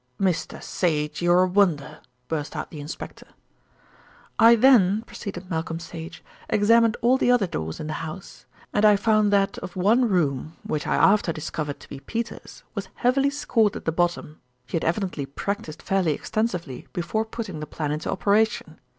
"Mr. Sage, you're a wonder," burst out the inspector. "I then," proceeded Malcolm Sage, "examined all the other doors in the house, and I found that of one room, which I after discovered to be Peters', was heavily scored at the bottom. He had evidently practised fairly extensively before putting the plan into operation.